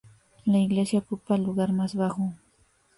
La iglesia ocupa el lugar más bajo.